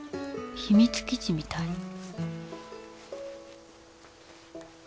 秘密基地みたい